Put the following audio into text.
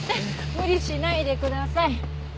無理しないでください。